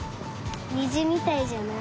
にじみたいじゃない？